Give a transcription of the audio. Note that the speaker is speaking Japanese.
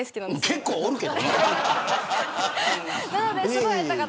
結構おるけどな。